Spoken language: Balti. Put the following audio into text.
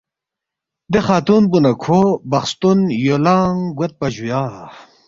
دے خاتُون پو نہ کھو بخستون یولانگ گویدپا جُویا